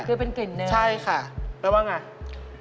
คือเป็นกลิ่นเนยใช่ค่ะแล้วว่าอย่างไร